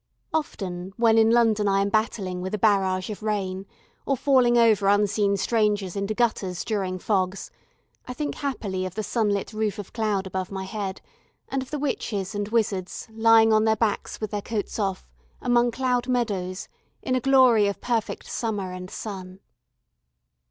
Often when in London I am battling with a barrage of rain, or falling over unseen strangers into gutters during fogs, I think happily of the sunlit roof of cloud above my head, and of the witches and wizards, lying on their backs with their coats off, among cloud meadows in a glory of perfect summer and sun.